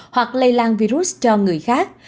hoặc lây lan virus cho người khác